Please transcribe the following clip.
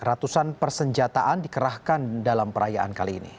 ratusan persenjataan dikerahkan dalam perayaan kali ini